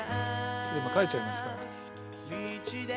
今書いちゃいますから。